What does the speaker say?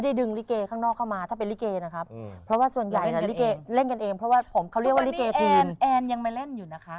ถ้าเกิดวันไหนที่เขาว่างเขายังมาช่วยพี่เขาเล่นอย่างนั้น